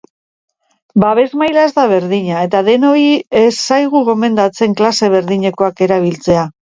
Babes maila ez da berdina eta denoi ez zaigu gomendatzen klase berdinekoak erabiltzea.